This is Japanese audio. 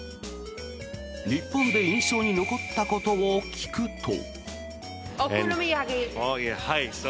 日本で印象に残ったことを聞くと。